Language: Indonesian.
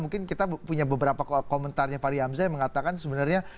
mungkin kita punya beberapa komentarnya fahri hamzah yang mengatakan sebenarnya